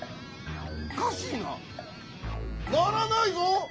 おかしいな？ならないぞ。